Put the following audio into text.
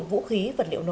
vũ khí và liệu nổ